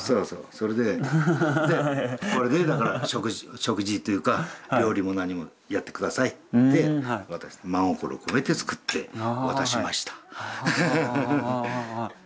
それでこれでだから食事というか料理も何もやって下さいって渡した真心込めて作って渡しました。